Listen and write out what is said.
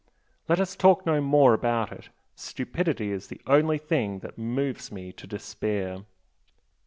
Let us talk no more about it! Stupidity is the only thing that moves me to despair!"